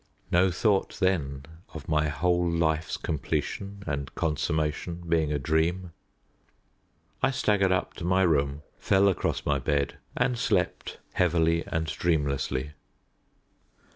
No thought, then, of my whole life's completion and consummation being a dream. I staggered up to my room, fell across my bed, and slept heavily and dreamlessly.